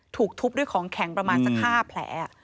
ถูกทุบด้วยของแข็งประมาณสัก๕แผล